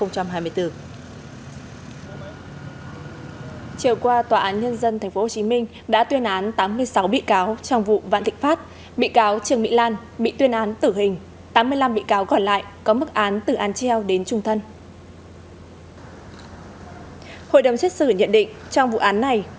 chiều qua tòa án nhân dân tp hcm đã tuyên án tám mươi sáu bị cáo trong vụ vạn thịnh phát bị cáo trường mỹ lan bị tuyên án tử hình tám mươi năm bị cáo còn lại có mức án tử an treo đến trung thân